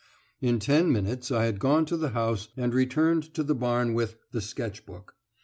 In ten minutes I had gone to the house and returned to the barn with "The Sketch Book."